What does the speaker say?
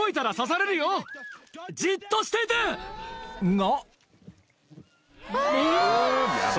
［が］